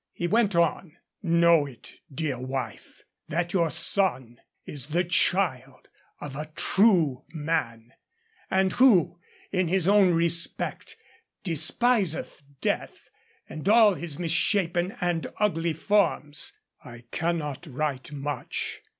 He went on: Know it, dear wife, that your son is the child of a true man, and who, in his own respect, despiseth Death, and all his misshapen and ugly forms. I cannot write much.